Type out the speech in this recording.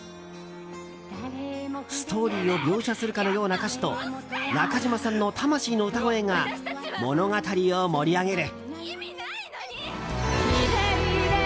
ストーリーを描写するかのような歌詞と中島さんの魂の歌声が物語を盛り上げる。